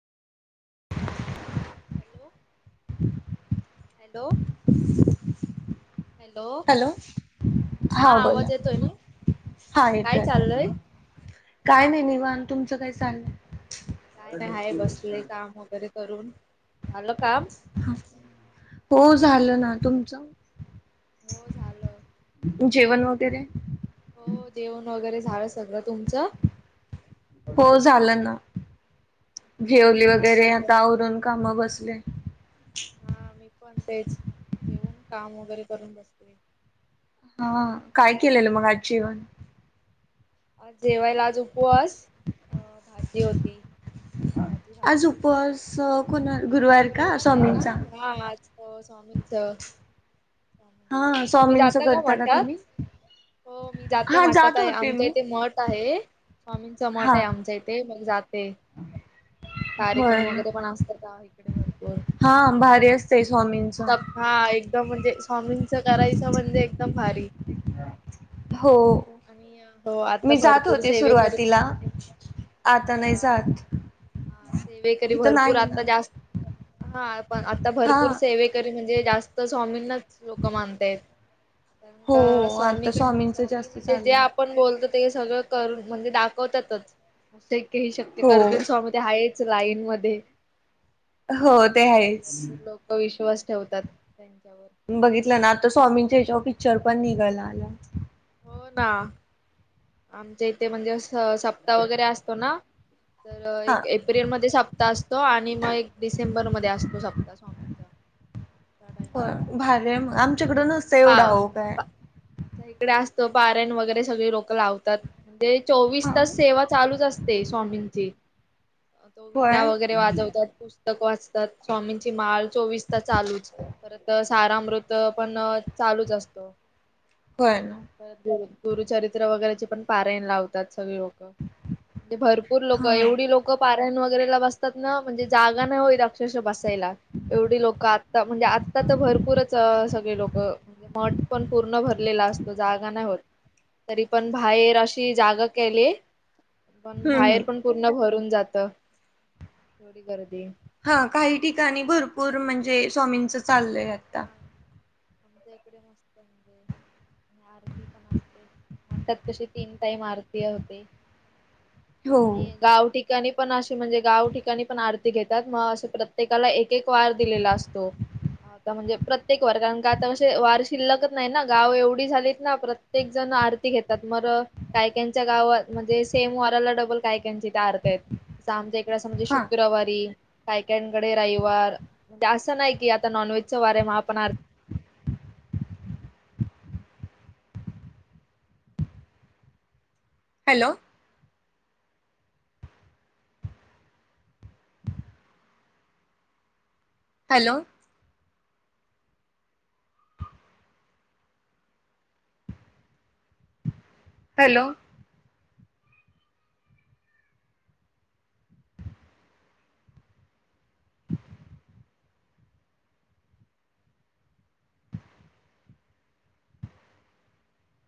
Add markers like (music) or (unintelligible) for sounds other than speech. Hello hello hello हा आवाज येतोय ना हा ह काय येतो चाललय येतो काय नाही निवांत, तुमचं काय चाललंय काय नाही, आहे बसले काम वगैरे करून आलं काम? हो झालं ना तुमचं हो झालं जेवण वगैरे हो जेवन वगैरे झालं सगळं, तुम तुझं हो झालं ना जेवली काय वगैरे, करताय. आता आवरून काम बस बसले हा, मी पण तेच, जेवून काम वगैरे करून बसते. हा, काय केलेलं मग आज जेवण? जेवायला आज उपवास, भाजी होती, भाजी आज भााकरी, उपवास कोणा आज गुरुवार का गुरवार आहे ना, स्वामींचा हा आज हो, स्वामींचा हा स्वामींच करता का तुम्ही? हो मी जाते हा मठात जात आहे होते मी. आमच्या इथे मठ आहे, स्वामींचा हा मठ आहे आमच्या इथे, मग जाते कार्यक्रम होय वगैरे पण असतात हा इकडे भरपूर हा भारी असतंय स्वामींच हा. एकदम म्हणजे स्वामिंच करायचं म्हणजे एकदम भारी. हो. आणि हो आता मी जात भरपूर होते सेवेकरी सुरुवातीला, आता अच्छा नाही जात, हा सेवेकरी हित भरपूर नाही आता ना. जास्त हा. पण आता हा भरपूर सेवेकऱी म्हनजे जास्त स्वामींनाच लोक मानतायत. हो अ आता स्वामीकड स्वामींच स्वामी जास्त म्हणजे जे चाललंय आपण बोलतो. ते सगळं करून म्हणजे दाखवतातच. अशक्य ते शक्य हो करतील स्वामी ते आहेत. लाईन मध्ये हो भारी, ते आहेच भरपूर लोकं विश्वास ठेवतात. त्यांच्यावर. बघितलं ना, आता स्वामींच्या हेच्याव पिक्चर पण निघाला, आला हो, ना. आमच्या इथे म्हणजे असं सप्ताह वगैरे असतो ना? तर हा एक एप्रिलमध्ये सप्ताह असतो आणि मग एक डिसेंबर मध्ये असतो सप्ताह स्वामी (inaudible) होय भारी हाय म, आमच्याकड नसत एवढं अहो काय. ते पारायण वगैरे सगळी लोकं लाव--. दत्त. ते चोवीस हा तास सेवा चालूच असते. ते स्वामींचे तो विणा होय वगैरे वाजवतात पुस पुस्तक वाचतात स्वामींची माळ. चोवीस चालूच परत. तारा अमृत पण चालूच असतो. होय ना परत गुचरित्र वगैरेचे पण पारायण लावतात. लोक भरपूर लोक हा एवढी लोक. वगरे बसतात ना म्हणजे जागा नाही होई अक्षश बसायला एवढी लोक आता म्हणजे आता तर भरपूरच सगळे लोक महट पण पूर्ण भरलेला असतो जागा नाही होत तरी पण बाहेर अशी जागा केली. पण हम्म हम्म बाहेर पण पूर्ण भरून जाता थोडी गर्दी हा काही ठिकाणी भरपूर म्हणजे स्वामींच चालले आता. हा. आमच्या इकडे मस्त म्हणजे आरती पण असते मठात तशी तीन टाईम आरती होते. हो आणि गावटिक ठिकाणी पण अशी म्हणजे गाव ठिकाणी पण आरती घेतात मग असे प्रत्येकाला एक वार दिलेला असतो. (unintelligible) म्हणजे प्रत्येक वार कारण का आता असे वार शिल्लकच नाही ना गाव एवढी झालीत ना प्रत्येक जण आरती घेतात मर कायक्यांच्या गावात म्हणजे सेम वाराला डबल कायक्यांची त्या आरती आहेतमजे म्हणजे हा शुक्रवारी काय कांकडे रविवार म्हणजे असं नाही की आता नॉनव्हेज. उत् सवारे माहापणारथ हॅलो. हॅलो. हॅलो.